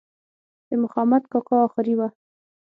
د مخامد کاکا آخري وه.